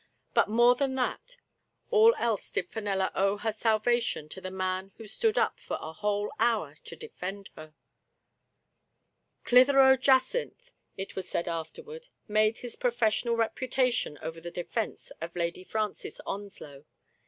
But more than all else did Fenella owe her sal vation to the man who stood up for a whole hour to defend her. Clitheroe Jacynth, it was said afterward, made his professional reputation over the defense of Lady Francis Onslow.